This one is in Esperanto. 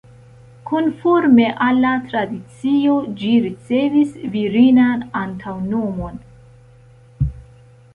Konforme al la tradicio, ĝi ricevis virinan antaŭnomon.